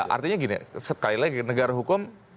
artinya gini sekali lagi negara hukum